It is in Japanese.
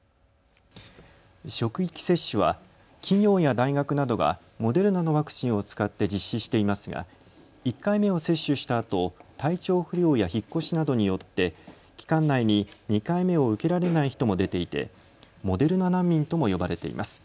職域接種は企業や大学などがモデルナのワクチンを使って実施していますが１回目を接種したあと体調不良や引っ越しなどによって期間内に２回目を受けられない人も出ていてモデルナ難民とも呼ばれています。